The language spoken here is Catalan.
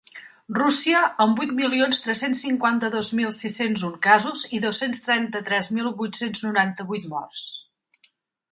Rússia, amb vuit milions tres-cents cinquanta-dos mil sis-cents un casos i dos-cents trenta-tres mil vuit-cents noranta-vuit morts.